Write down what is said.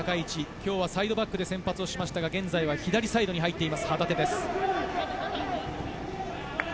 今日はサイドバックで先発しましたが、現在は左サイドバックです。